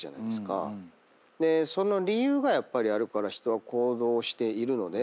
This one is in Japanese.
でその理由があるから人は行動しているので。